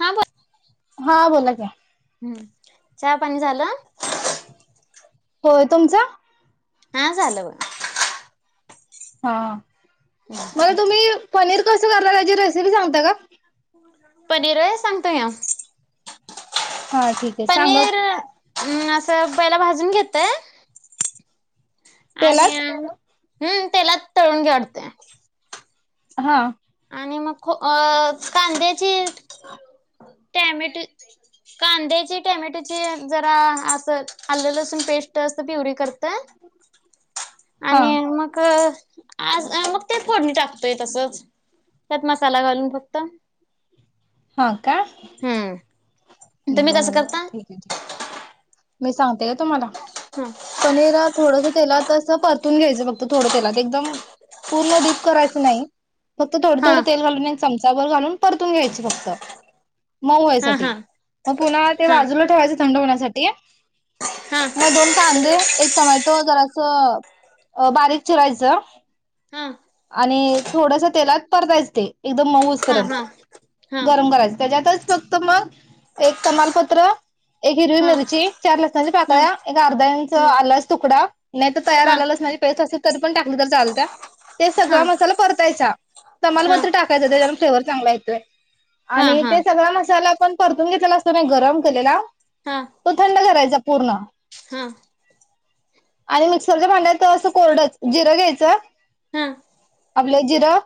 हा ब हा बोला की हम् चहा पाणी झालं हो तुमचां हा झालं ब हा मला तुम्ही पनीर कसराला त्याची रेसिपी सांगता का पनीर आहे सांगतो या हा ठीक आहे सांगा हम् असं पईला भाजून घेतय आणि तेलात हम्म तेला तळून घेवडते हा आणि मग कांद्याची टॅमटो कांद्याची टॅमेटोची जरा अस आलं असून पेस्ट अस प्युरी करत हा आणि मग आज मग ते फोडणी टाकतोय तसंच त्यात म चला घालून फक्त हम्म बस तुम्ही कसं ब करता ठीक आहे मी सांगते का तुम्हाला हा पनीरा थोडास तेला तस परतून घ्यायचं फक्त थोडं तेलात एकदम पूर्ण डीप करायचं नाही फक्त थों थड हा तेलालून बर घालून परतून घ्यायचे फक्त मऊ हा यासाठी हा मग पुन्हा ते हा बाजूला ठेवायचं थंड होण्या झा हा मग दोन कांदे एक टोमॅटो जरा असं अ बारीक चिरायचं हा आणि थोडस तेलात परतायच ते हा मऊसपर्यंत हा हा गरम करायच त्याच्यातच फक्त मग एक तमालपत्र एक हिरवी हा मिरची चार लस हा पाकळ्या एक अर्धा इंच आलाच तुकडा नाही तर हा तयार हा आला लसणाची पे असेल तरी पण टाकली तर चालत ते हा हा सगळा मसाला परतायचा तमाला मात्र हा टाकायचा त्याच्याला फ्लेवर चांगला येतोय हा हा आणि हा ते सगळा मसाला आपण परतून घेतलेला असतो नाही गरम केलेला हा हा त थंड करायच पूर्ण हा आणि मिक्सरच्या भांड्याच असं कोरडच जिरं घ्यायचं आपलं जिरं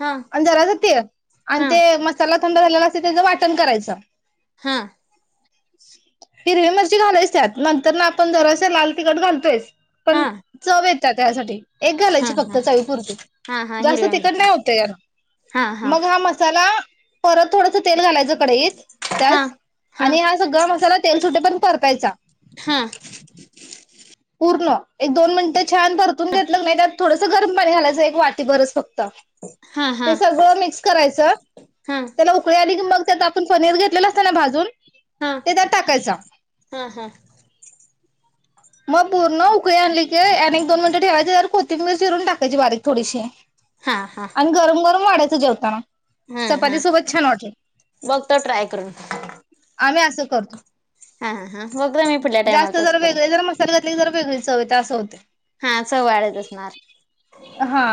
हा आणि जराचं तेल आणि ते मसाला थंड झालेला असे त्याच वाटण करायचं हा [unintelligible] हिरवी मिरची घालच त्यात नंतर ना आपण जरास लाल तिखट घालतोयच हा हा पण चव येतात त्यासाठी एक घालायची फक्त चवीपुरती हा हा जास्त हिरव्या तिकड मिरच्या नाही होत याला मग हा मसाला परत थोडस तेल घालायचं कढईत हा त्याच आणि हा गरम मसाला टे पण परतायचा ह पूर्ण एक दोन मिनिटं छान परतून घेतलं नाही त्यात थोडंस गरम पाणी घालायचं एक वटी बरच फक्त हा हा ते सगळं मिक्स करायचं हा हा त्याला उकळी आली की मग त्यात आपण पनीर घेतलेला असते ना भाजून हा ते त्यात टाकायचा हा हा मग पूर्ण उकळी आणली की अनेक दोन मिनिटं ठेवायचे तर कोथिंबीर चिरून टाकायची बारीक थोडीशी आणि गरम गरम वाढा जवतना हम् हम बघतो ट्राय करून आम्ही असं करतो हा ह हा बघदा मी पुुढल्या टाइमाला तच करू घातली ज वेगळी चव असं होते हा चव्हाळ्यात असणार हा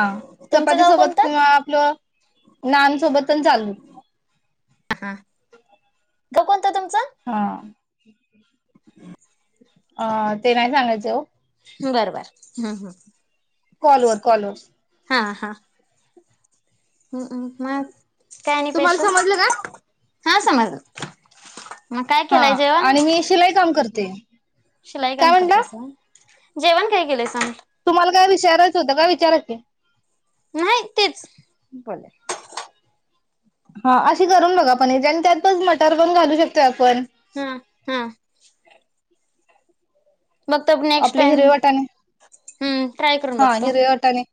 तुमचं चपाती गाव सोबत कोणतं किंवा आपलं नामसोबत संचालू कोणता तुमच हा ह अ ते नाही सांगायचं ओ बरोबर हम्म हम्म कॉलवर कॉलवर हा हा हम्म् म तुम्हाला समजलं का हा समजल हा आणि मी शिलाई काम करतो. ते शिलाई काम करतासा जेवण काय केलंय सांग तुम्हाला काय विचारायचं होतंय काय विचाराकी नाही तेच बोला हा अशी करून बघा पण आणि त्यात पस मटर पण घालू शकतात. हम हम नेक्स्ट आपले टाइम हिरवे वाटाने हम्म ट्राय करून हा बघतो हिरव्या वाटाने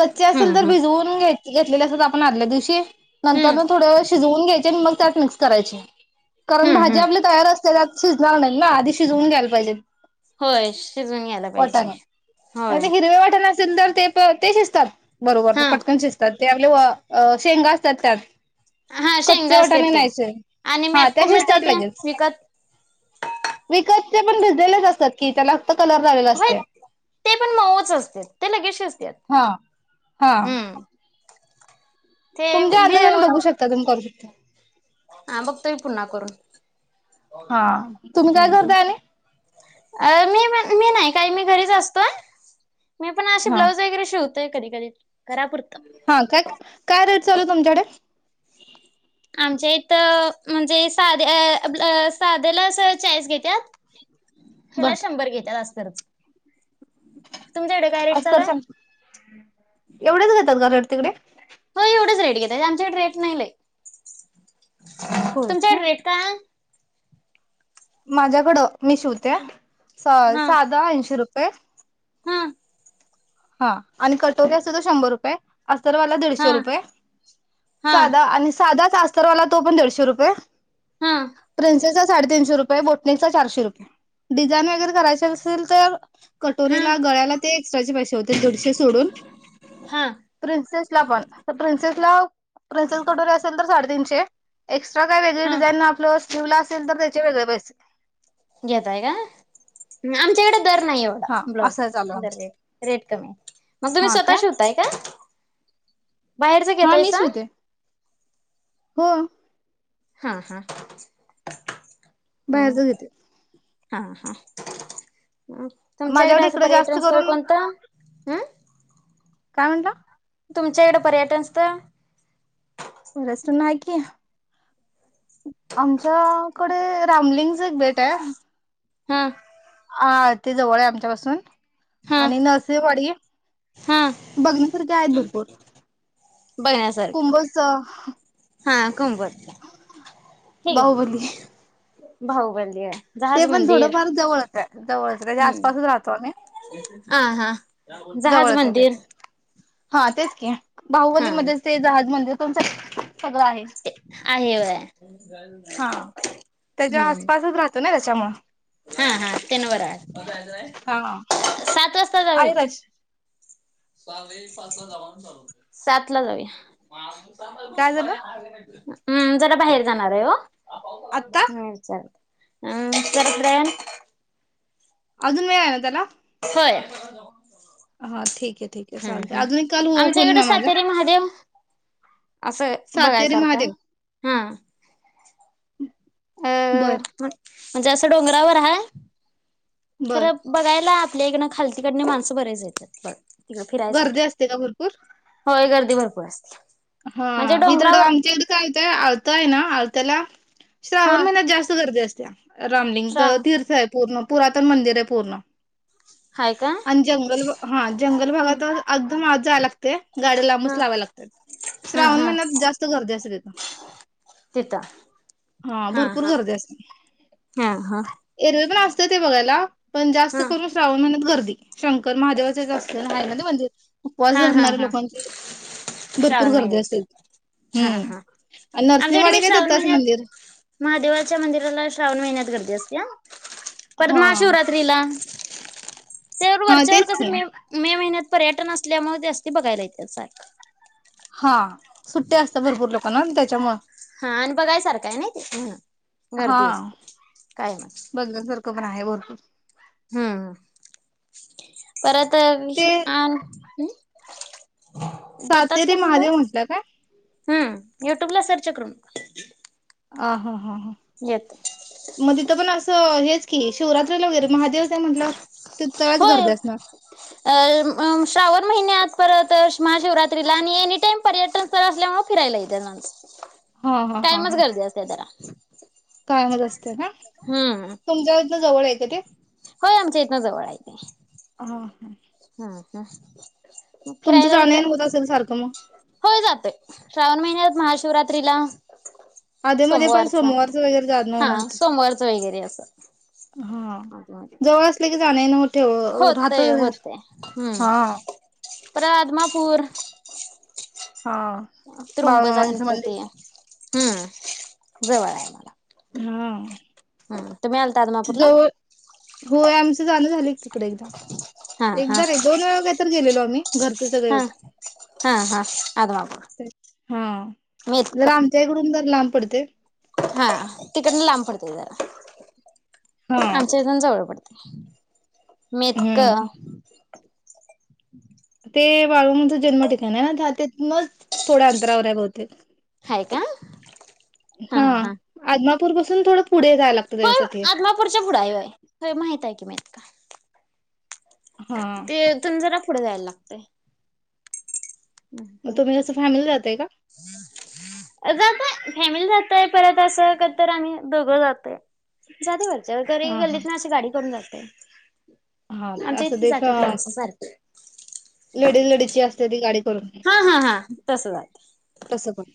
कच्चे असेल हम्म तर हम्म भिजवून घ्याय घेतलेले असत आपण आल्या दिवशी नंतर हम्म मग थोड व वून घ्यायचे आणि मग त्यात मिक्स करायचे. कारण हम्म भाजी हम्म आपली तयार असते, त्यात शिजणार नाही ना, आधी शिजवून घ्यायला पाहिजेत. होय शिजून घ्यायायला पाहिजे, होय सुंदर ते प ते शिजतात. बरोबर तर हा पटकन शिजतात. ते आपले शेंगा असतात त्यात हा कच्चे शेंगा असते वटाने ते घ्यायचे आणि हा मॅपको ते मिळतय शिजतात लगेच विकत विकत ते पण भिजलेलेच असतात. क चला होय ते पण मऊच असते, ते लगेच हा. शिजतात. हा हम्म ते तुमच्या अंदाजाने बघू शकता तुमही करू शकता हा बघतोय पुन्हा करून हा तुम्ही काय करताय आणि अ मी मी नाही काय मी घरीच असते. मी पण असं हा ब्लाउज वगैरे शिवते. ते कधी कधरी हा काय काय रेट चालू तुमच्याकडे आमच्या इथं म्हणजे साध्या साध्याला अस चाळीस घेतत. हला शंभर घेत जास्त [inaudible] अर च एवढेच घेतात घर तिकडे एवढच रेट घेत आमच्याकडे रेट नाही. होय तुमच्याकडे काय? भेट का. माझ्याकडं मी शिवते हा साधा ऐंशी रुपये. [inaudible] हा. हा आणि कटोरी असत तो शंभर रुपये. अस्तरवाला हा दीडशे रुपये हा साधा आणि साधाच अस्तरवाला तो पण दीडशे रुपये. हा प्रिन्सेस साडेतीीनशे रुपये बोटिंगचा चारे रुपये डिझाईन वगरे करायचे असेल तर हा कटोरीला गळ्याला ते एक्स्ट्राचे पैसे होते. दिडशे सोडून हा प्रिन्सेस ला पण प्रिंसेस ला प्रिंसेस कटोरी असेल तर साडेतीीनशे. काय वेग हा डिझाईन आप निव लास यंत ते पैसे. घेतय का आमच्या इकडे र नाही एवढा हा असं चालू ब्लाजर आमचं रेड रेड. [inaudible] मग तुम्ही हा स्वतः काय शेवताय का? बाहेरच हा मी घेतायस. शिवते हो. हा हा. हम्म बाहेरच घेते. हा हा. हम् तुमच्याकडे माझ्याकडे असं इकडे जास्त पर्यटन स्थळ करून कोणतं? काय म्हटलं. तुमच्या इकडें पर्यटन स्थ रेस्ट नाही कि आमच्याकडे रामलिंगच एक भेट आहे हम हा ते जवळ आहे आमच्या पाासून हा आणि नरसिंहवाडी हा बघ ारखे आहेत भरपूर बघण्यासारखं कुंभस हा कुम वटचा ठीक बाहुबली आहे भाऊ बलि आहे ते जहाज पण मंदिर थोडफार जवळच आहे जवळच त्याच्या आसपासच हम्म राहतो आम्ही हा हा जहाज जवळच आहे ते मंदिर पण हा तेच क हा बाहुवलीमध्येध्येच ते जहाजमध्ये तुमचं आहे वय हा त्याच्या हम्म आसपासच राहतो ना म हा हा ते न व हा सात वाजता जावी आहे राज ला जा चा सात ला जाऊया सम काय प झालं आर्गमेट हम्म जरा बाहेर जाणार आहे हो आत्ता हम् विचारले अम् करत्रन अजून वेळ आहे ना त्याला तर हा ठीक आहे ठीक आहे हम्म चालते हम्म अजून एक काल हो आमच्या होईल इकडे ना माझा सातेरी महादेव असं सातेरी बघायसारख महादेव हा अ बरं म्हण- म्हणजे असं डोंगरावर हा बर खरं बघायला आपल्या एक खालतीकडने माणसं बरयच येतात फिरासाठी गर्दी असते का भरपूर होय गर्दी ार प हा हिथडं आमच्या इथ काय येतय आर्ता आहे ना आ तला हा श्रावण महिन्यात जास्त गर्दी असते [unintelligible] रामलिंग श्रा तर तीर्थ आहे पूर्ण पुरातन मंदिर आहे पूर्ण. हाय का आणि जंगल हा जंगल हम्म भागात. माव जायला ते गाडी हा लांबच लावाव लागतात. हा श्रावण हा महिन्यात जास्त गर्दी असेलेत तिथं हा भरपूर गर्दी असे. हा हा पण असत ते बघायला पण जास्त हा करून श्रावण महिण्यात गर्दी [unintelligible] शंकर महादेवाचेच असत ना आहे ना ते म्हणजे. उपवास हा हा धरणाऱे हा लोकांचे श्रावण महिन्यात हा हा आणि आमच्याकडे नरसिंहवाडी मी काय श्रावण दत्ताच महिन्यात मंदिर महादेवाच्या मंदिराला श्रावण महिन्यात गर्दी असत्या. तस. पढ हा महाशिवरात्रीला. हा वरच्यावर तेच कसं की मे मे महिन्यात. पर्यटन. तल्या असते बघायला येते सख. हा. सुट्ट्या असता भरपूर लो. पण त्याच्यामूळ. हा आणि बघायसारखं आहे नाही ते हा गर्दी असते काय म. ह. हम्म परत. तर ते सातेरी म्हणलं महादेव म्हटलं काय. हम्म युट्यूबला सेर्चक आ हा हा ह मध्ये तथ पण अस हेच की शिवरात्रीला वगैरे महादेवस आहे म्हटल्यावर ते तेच होय गर्दी असणार. अ श्रावण महिन्यात परत महाशिवरात्रीला आणि एनीटाईम पर्यटन स्थळ असल्यामुळे फिरायला इतर. हा हा हा कायमच हा गरदी असते जरा. [unintelligible] कायमच असते ना हम्म तुमच्या इ जवळ. कती होय आमच्या इथन जवळ आहे ते हा हा हा ह तुमचं फिरायला जाणं येणं होत तिकडं असेल सारखं मग होय जातय श्रावण महिन्यात महाशिवरात्रीला आधी मध्ये पण सोमवारचा सोमवारच वगैरे जाण हा नव्हते सोमवारच वगैरे असं हा जवळ असले की जाण नव्हते होतय होतय हम्म हा परातमपूर हा बाळुमामांचं मंदिर गणपती हम्म जवळ आहे मला हा हा तुम्ही आलता आद मापूरला जवळ होय आमचं जाणं झाले तिकडे एकदा. हा हा एकदा नाही दोन वेळा काहीतरी गेलेलो आम्ही. [unintelligible] घरचे सगळे हा होते हा हा आदमापूर हा मेतक जर आमच्या इकडून लांब पडते. हा तिकडनं लांब पडतंय जरा. हा आमच्या येथून जवळ पडत जरा. हम्म. [inaudible] [unintelligible] [inaudible] ते बाळू मामाचं जन्म ठिकाण आहे. ना त्या तिथूनच थोड्या अंतरावर आहे बहुतेक [unintelligible] का हा हां हा [unintelligible] [unintelligible] थोडं पुढे जायला लागतं होय त्याच्यासाठी आदमापूरच्या पुुढा आहेय होय होय माहित आहे की [unintelligible] का हा ते तेथून जरा पुढे जायला लागतेय मग तुम्ही जसं फायनल जातय का? जातोय फॅमिली जातय, परत असं कधी तर आम्ही दोघं जातय. जाते बर तरी गल्ली हा हा गल्लीतना अशी गाडी करून जात [inaudible] हा असं [unintelligible] सारखी. लेडीज लेडीजची असते ती गाडी. [unintelligible] हा हा हा तसं जात तस पण,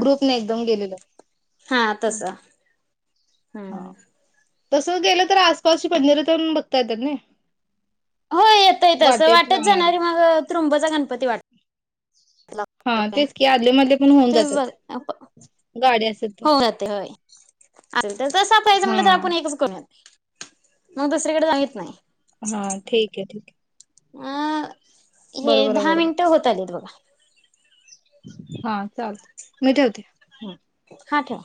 ग्रुपने एकदम गेलेल. हां तस, हा हम्म. तसं गेलं तर आसपासची मंदिरतेन बघ बघता येतात नई. हो येतं येत असं वाटत जाणारी मग त्रंबोजा गणपती वाट हा लागतोय. तेच की आदलेमधले पण होऊन जातात, तुम्ही बघ गाडी असेल तर. आरे तसा पाहिजे हा म्हटलं तर आपण एकच करूया की? मग दुसरीकडे [unintelligible] नाही. हा ठीकय ठीकय. आ. हे दहा बरोबर मिनिटं होत आलीत बघा. हा चालतंय, मी ठेवते. हा ठेवा.